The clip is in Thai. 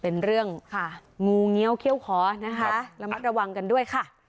เป็นเรื่องงูเงี้ยวเขี้ยวขอนะคะระมัดระวังกันด้วยค่ะ